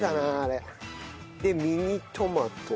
でミニトマト。